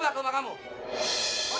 handoko bang handoko